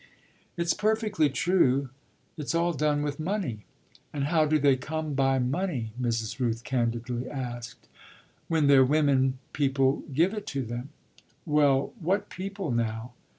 "It's perfectly true. It's all done with money." "And how do they come by money?" Mrs. Rooth candidly asked. "When they're women people give it to them." "Well, what people now?"